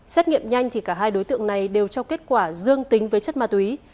xét nghiệm nhanh thì cả hai đối tượng này đều cho kết quả dương tính với chất ma túy